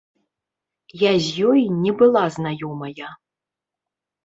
Я з ёй не была знаёмая.